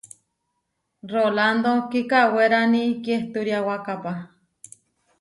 Rolándo kikawérani kiehturiawakápa.